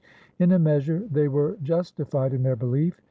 In a measure they were justified in their belief.